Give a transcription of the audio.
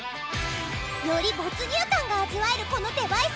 より没入感が味わえるこのデバイス。